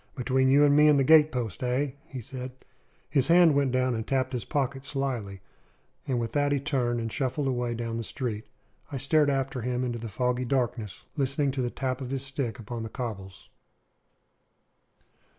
"Between you and me and the gatepost, eh?" he asked. His hand went down and tapped his pocket slily, and with that he turned and shuffled away down the street. I stared after him into the foggy darkness, listening to the tap of his stick upon the cobbles.